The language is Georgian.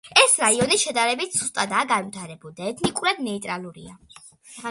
ეს რაიონი შედარებით სუსტადაა განვითარებული და ეთნიკურად ნეიტრალურია.